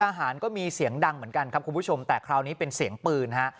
ทหารก็มีเสียงดังเหมือนกันครับคุณผู้ชมแต่คราวนี้เป็นเสียงปืนฮะ